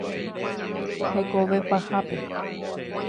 Hekove pahápe.